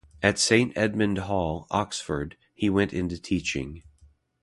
At Saint Edmund Hall, Oxford, he went into teaching.